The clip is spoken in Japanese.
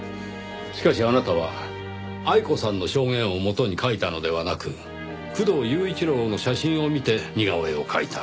しかしあなたは愛子さんの証言をもとに描いたのではなく工藤雄一郎の写真を見て似顔絵を描いた。